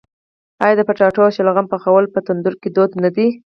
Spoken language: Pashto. آیا د کچالو او شلغم پخول په تندور کې دود نه دی؟